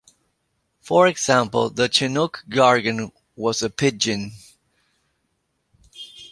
For example, the Chinook Jargon was a pidgin.